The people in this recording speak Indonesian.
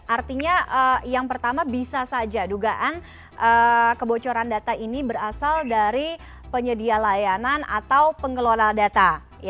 artinya yang pertama bisa saja dugaan kebocoran data ini berasal dari penyedia layanan atau pengelola data